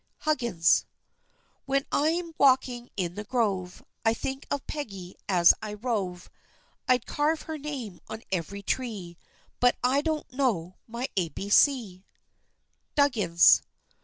HUGGINS. When I am walking in the grove, I think of Peggy as I rove. I'd carve her name on every tree, But I don't know my A, B, C. DUGGINS.